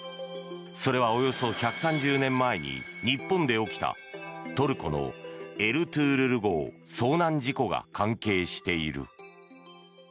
それはおよそ１３０年前に日本で起きたトルコの「エルトゥールル号」遭難事故が関係している。